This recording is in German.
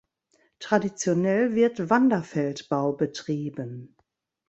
Traditionell wird Wanderfeldbau betrieben.